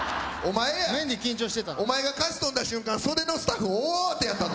お前が歌詞飛んだ瞬間袖のスタッフ大慌てやったぞ！